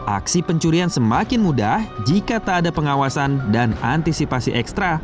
aksi pencurian semakin mudah jika tak ada pengawasan dan antisipasi ekstra